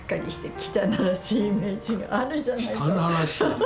汚らしい。